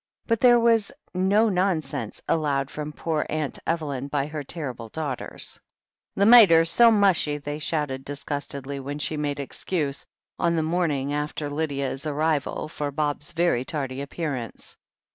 But there was "no non sense" allowed from poor Aumt Evelyn by her terrible daughters. "The mater's so mushy," they shouted disgustedly, when she made excuse, on the morning after Lydia's arrival, for Bob's very tardy appearance.